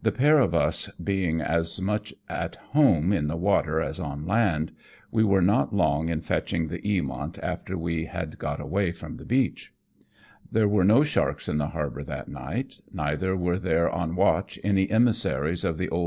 The pair of us being as much at home in the water as on land, we were not long in fetching the Eamont after we had got away from the beach. There were no sharks in the harbour that night ; neither were there on watch any emissaries of the old iS8 AMONG TYPHOONS AND PIRATE CRAFT.